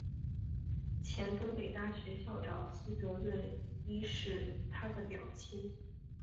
前东北大学校长西泽润一是他的表亲。